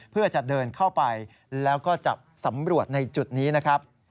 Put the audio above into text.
เพื่อจะเดินเข้าไปแล้วก็จะสำรวจในจุดนี้นะครับ